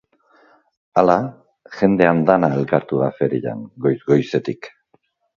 Hala, jende andana elkartu da ferian, goiz-goizetik.